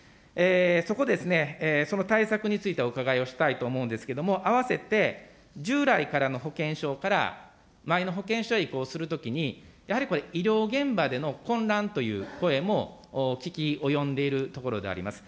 そこで、その対策についてお伺いをしたいと思うんですけれども、あわせて、従来からの保険証から、マイナ保険証へ移行するときに、やはりこれ、医療現場での混乱という声も聞き及んでいるところであります。